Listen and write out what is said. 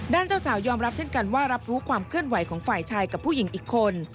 เจ้าสาวยอมรับเช่นกันว่ารับรู้ความเคลื่อนไหวของฝ่ายชายกับผู้หญิงอีกคน